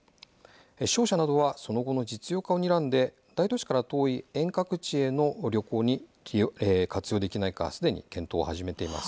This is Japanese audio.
商社などは、その後の実用化をにらんで大都市から遠い遠隔地への旅行に活用できないかすでに検討を始めています。